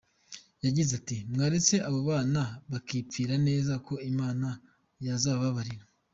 Yagize ati “mwaretse abo bana mukipfira neza ko n’Imana yazababarira?”.